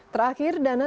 terakhir dana tiga